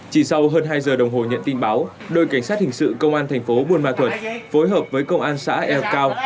chỉ sau hơn hai giờ đồng hồ nhận tin báo đội cảnh sát hình sự công an thành phố buôn ma thuật phối hợp với công an xã ea cao